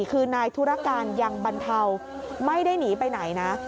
คือนายธุรการยังบรรเทาไม่ได้หนีไปไหนนะ